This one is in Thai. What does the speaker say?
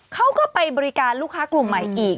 เขาก็ไปบริการลูกค้ากลุ่มใหม่อีก